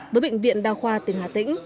với bệnh viện đao khoa tỉnh hà tĩnh